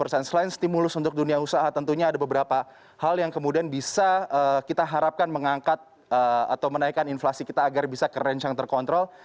selain stimulus untuk dunia usaha tentunya ada beberapa hal yang kemudian bisa kita harapkan mengangkat atau menaikkan inflasi kita agar bisa ke range yang terkontrol